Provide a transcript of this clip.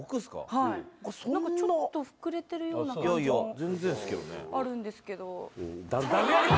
はいちょっと膨れてるような感じもあるんですけどいやいや